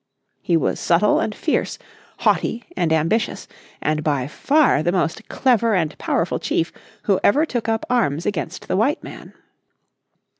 He was subtle and fierce, haughty and ambitious, and by far the most clever and powerful chief who ever took up arms against the white man.